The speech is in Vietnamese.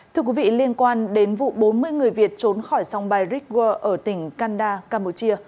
thưa quý vị liên quan đến vụ bốn mươi người việt trốn khỏi sông bairikwa ở tỉnh kanda campuchia